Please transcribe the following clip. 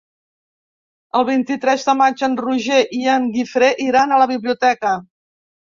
El vint-i-tres de maig en Roger i en Guifré iran a la biblioteca.